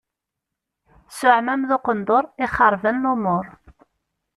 S uεmam d uqendur i xerben lumuṛ.